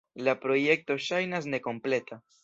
La projekto ŝajnas nekompleta.